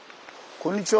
こんにちは。